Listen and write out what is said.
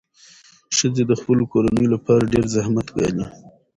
ښځې د خپلو کورنیو لپاره ډېر زحمت ګالي.